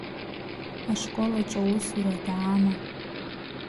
Ашкол аҿы аусура даама?